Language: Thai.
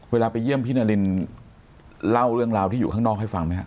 เวลาไปเยี่ยมพี่นารินเล่าเรื่องราวที่อยู่ข้างนอก